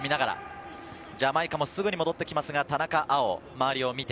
ジャマイカもすぐに戻ってきますが、田中碧、周りを見て。